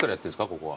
ここは。